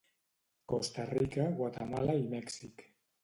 Costa Rica, Guatemala i Mèxic.